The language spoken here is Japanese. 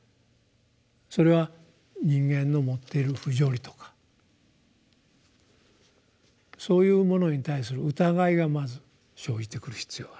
それは人間の持っている不条理とかそういうものに対する疑いがまず生じてくる必要がある。